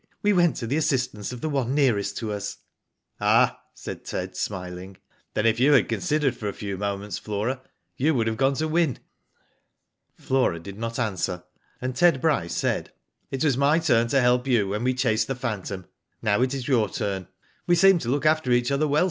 We went to the assistance of the one nearest to us." " Ah !" said Ted, smiling. " Then if you had considered for a few moments, Flora, you would have gone to Wyn." Flora did not answer, and Ted Bryce said :" It was my turn to help you when we chased the phantom. Now it is your turn. We seem to look after each other well.